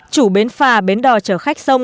chủ bến phà bến đò chở khách